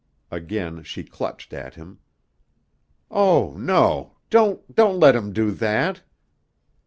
Again she clutched at him. "Oh, no. Don't don't let him do that!"